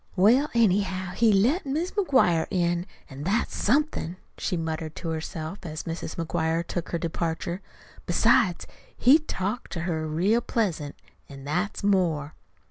"Well, anyhow, he let Mis' McGuire in an' that's somethin'," she muttered to herself, as Mrs. McGuire took her departure. "Besides, he talked to her real pleasant an' that's more."